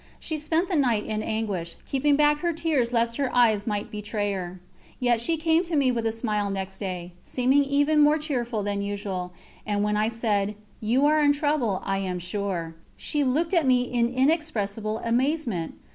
She spent the night in anguish, keeping back her tears lest her eyes might betray her. Yet she came to me with a smile next day, seeming even more cheerful than usual, and when I said: "You are in trouble, I am sure," she looked at me in inexpressible amazement.